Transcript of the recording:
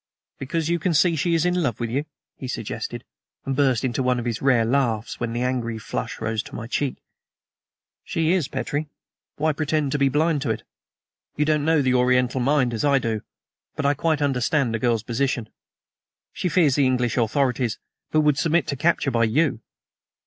"Because you can see she is in love with you?" he suggested, and burst into one of his rare laughs when the angry flush rose to my cheek. "She is, Petrie why pretend to be blind to it? You don't know the Oriental mind as I do; but I quite understand the girl's position. She fears the English authorities, but would submit to capture by you!